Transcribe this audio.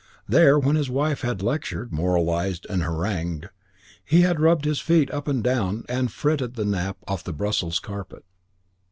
There, when his wife had lectured, moralised, and harangued, he had rubbed his feet up and down and had fretted the nap off the Brussels carpet.